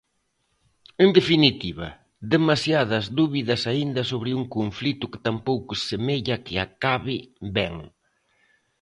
En definitiva, demasiadas dúbidas aínda sobre un conflito que tampouco semella que acabe ben.